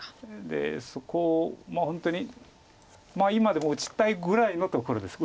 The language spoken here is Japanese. でそこを本当に今でも打ちたいぐらいのところです。